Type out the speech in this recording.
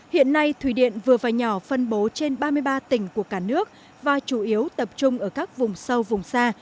hiện nay thủy điện vừa và nhỏ phân bố trên ba mươi ba tỉnh của cả nước và chủ yếu tập trung ở các vùng sâu vùng xa